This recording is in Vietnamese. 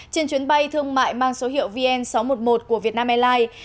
trên chuyến bay thương mại mang số hiệu vn sáu trăm một mươi một của việt nam airlines